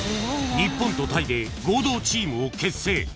日本とタイで合同チームを結成